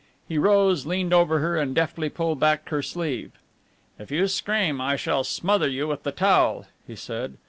He rose, leant over her and deftly pulled back her sleeve. "If you scream I shall smother you with the towel," he said.